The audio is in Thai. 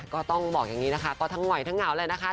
ก็ต้องบอกอย่างนี้นะคะก็ทั้งห่อยทั้งเหงาเลยนะคะ